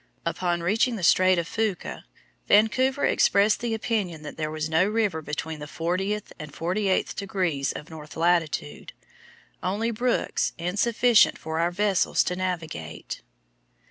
Upon reaching the Strait of Fuca, Vancouver expressed the opinion that there was no river between the fortieth and forty eighth degrees of north latitude, "only brooks insufficient for our vessels to navigate."